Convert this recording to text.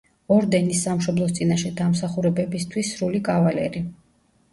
ორდენის „სამშობლოს წინაშე დამსახურებებისთვის“ სრული კავალერი.